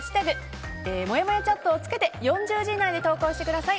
「＃もやもやチャット」を付けて４０字以内で投稿してください。